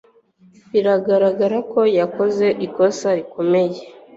Biragaragara ko yakoze ikosa rikomeye